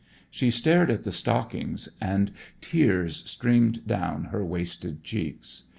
She stared at the stockings and tears streamed down her wasted cheeks.